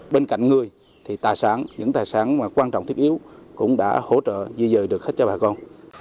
bên cạnh người thì tài sản những tài sản quan trọng thiết yếu cũng đã hỗ trợ di dời được hết cho bà con